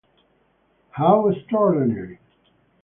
How extraordinary!